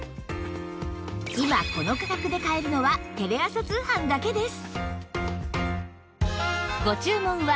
今この価格で買えるのはテレ朝通販だけです